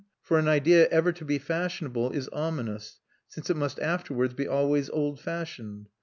For an idea ever to be fashionable is ominous, since it must afterwards be always old fashioned.